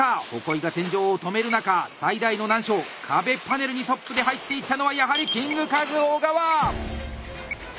鉾井が天井を留める中最大の難所壁パネルにトップで入っていったのはやはりキングカズ小川！